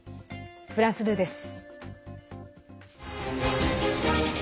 フランス２です。